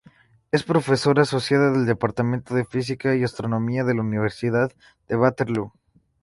Es profesora asociada del departamento de física y astronomía de la Universidad de Waterloo.